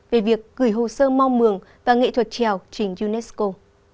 về việc gửi hồ sơ mong mường và nghệ thuật trèo trình unesco